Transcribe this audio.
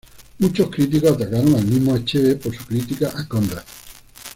Muchos críticos atacaron al mismo Achebe por su crítica a Conrad.